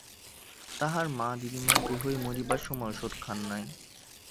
তাহার মা দিদিমা কেহই মরিবার সময় ঔষধ খান নাই।